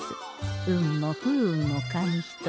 運も不運も紙一重。